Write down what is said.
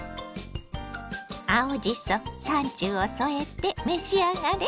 青じそサンチュを添えて召し上がれ。